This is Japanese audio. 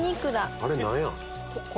あれ何やろ？